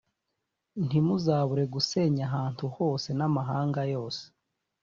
ntimuzabure gusenya ahantu hose namahanga yose